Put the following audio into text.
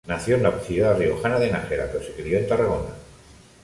Nació en la ciudad riojana de Nájera, pero se crió en Tarragona.